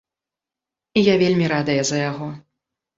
І я вельмі радая за яго.